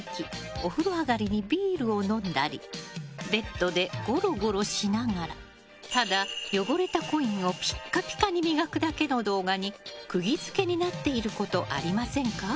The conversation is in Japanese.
お風呂上がりにビールを飲んだりベッドでゴロゴロしながらただ汚れたコインをピッカピカに磨くだけの動画に釘付けになっていることありませんか？